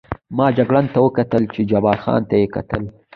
ما جګړن ته وکتل، چې جبار خان ته یې کتل.